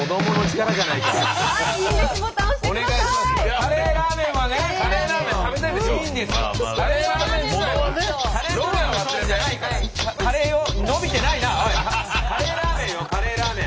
カレーラーメンよカレーラーメン。